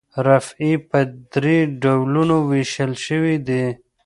رافعې په درې ډولونو ویشل شوي دي.